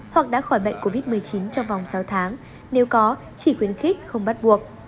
hoặc đã khỏi bệnh covid một mươi chín trong vòng sáu tháng nếu có chỉ khuyến khích không bắt buộc